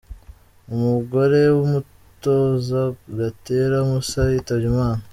Umugore w’umutoza Gatera Moussa yitabye Imana.